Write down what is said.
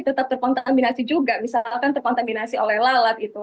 tetap terkontaminasi juga misalkan terkontaminasi oleh lalat itu